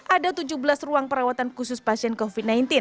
ada tujuh belas ruang perawatan khusus pasien covid sembilan belas